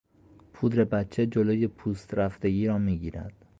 پودر بچه جلوی پوست رفتگی را میگیرد.